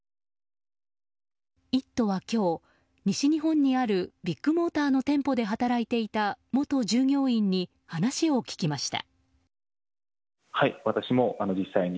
「イット！」は今日西日本にあるビッグモーターの店舗で働いていた元従業員に話を聞きました。